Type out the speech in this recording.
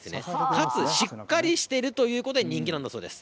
かつしっかりしてるということで人気なんだそうです。